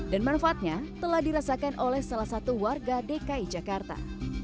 dan manfaatnya telah dirasakan oleh salah satu warga dki jakarta